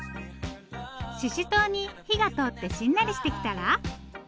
ししとうに火が通ってしんなりしてきたら。